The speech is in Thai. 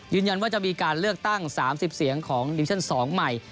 ยืนยันว่าจะมีการเลือกตั้ง๓๐เสียงของดิวิชั่น๒ใหม่